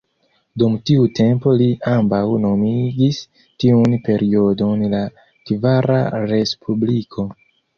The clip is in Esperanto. Dum tiu tempo ili ambaŭ nomigis tiun periodon la "kvara Respubliko".